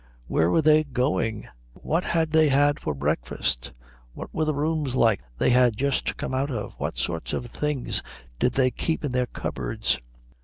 Where were they going, what had they had for breakfast, what were the rooms like they had just come out of, what sorts of things did they keep in their cupboards?